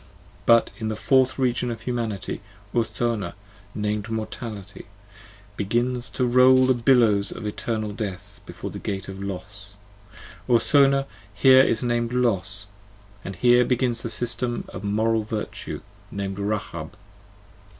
But In the Fourth region of Humanity, Urthona nam'd, Mortality begins to roll the billows of Eternal Death Before the Gate of Los: Urthona here is named Los, 10 And here begins the System of Moral Virtue, named Rahab.